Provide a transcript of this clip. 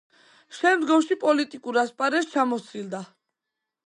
შემდგომში პოლიტიკურ ასპარეზს ჩამოსცილდა.